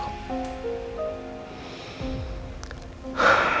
sekarang papa udah lega kok